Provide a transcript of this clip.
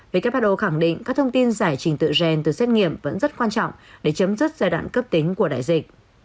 who khẳng định các thông tin giải trình tự gen từ xét nghiệm vẫn rất quan trọng để chấm dứt giai đoạn cấp tính của đại dịch